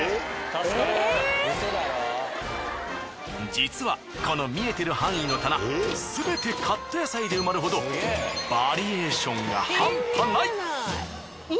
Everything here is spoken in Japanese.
実はこの見えてる範囲の棚すべてカット野菜で埋まるほどバリエーションがハンパない！